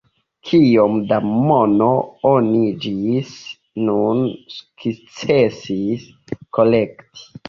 Kiom da mono oni ĝis nun sukcesis kolekti?